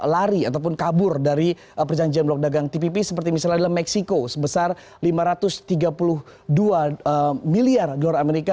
lari ataupun kabur dari perjanjian blok dagang tpp seperti misalnya adalah meksiko sebesar lima ratus tiga puluh dua miliar dolar amerika